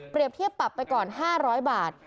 เปรียบเทียบปรับไปก่อนที่๕๐๐บาท